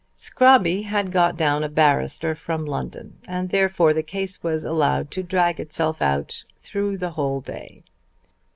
Scrobby had got down a barrister from London, and therefore the case was allowed to drag itself out through the whole day.